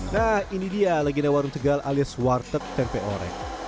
nah ini dia legenda warung tegal alias warteg tempe orek